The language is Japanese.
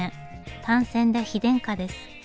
単線で非電化です。